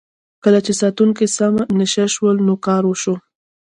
کله چې ساتونکي سم نشه شول نو کار وشو.